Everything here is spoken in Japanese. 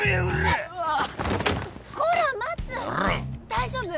大丈夫？